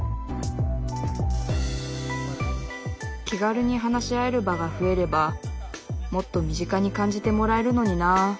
気軽に話し合える場が増えればもっと身近に感じてもらえるのになあ